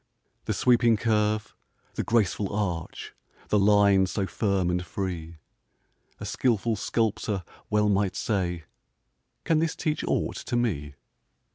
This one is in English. The sweeping curve, the graceful arch, The line so firm and free; A skilful sculptor well might say: "Can this teach aught to me?"